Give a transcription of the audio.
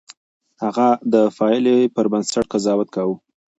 هغه د پايلې پر بنسټ قضاوت کاوه.